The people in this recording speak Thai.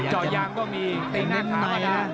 จอยยางก็มีติ๊งหน้าข้าพอด้าน